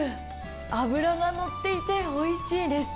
脂がのっていておいしいです。